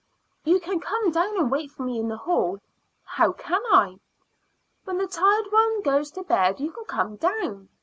"You can come down and wait for me in the hall." "How can I?" "When the tired one goes to bed, you can come down.